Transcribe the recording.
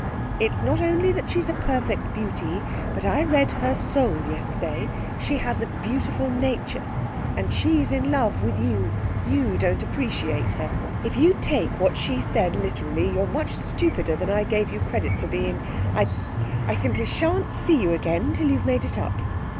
It's not only that she's a perfect beauty, but I read her soul yesterday. She has a beautiful nature, and she's in love with you. You don't appreciate her. If you take what she said literally, you're much stupider than I gave you credit for being. I I simply shan't see you again till you've made it up.